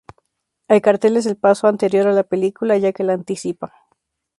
El cartel es el paso anterior a la película ya que la anticipa.